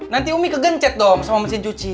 nanti umi kegencet dong sama mesin cuci